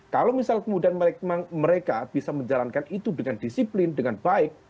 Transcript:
kalau misal kemudian mereka bisa menjalankan itu dengan disiplin dengan baik